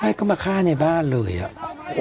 ให้ก็มาฆ่าในบ้านเลยอ่ะ